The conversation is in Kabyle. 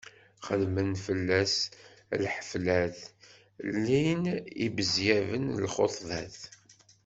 Xedmen fell-as lḥeflat, llin ibezyaben i lxuṭbat.